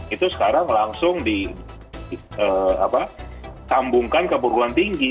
itu sekarang langsung ditambungkan ke perguruan tinggi